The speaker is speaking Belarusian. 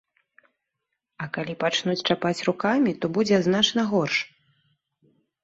А калі пачнуць чапаць рукамі, то будзе значна горш.